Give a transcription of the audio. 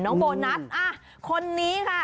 น้องโบนัสคนนี้ค่ะ